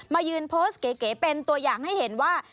มายืนโพสต์เก๋เป็นตัวอย่างให้เห็นว่า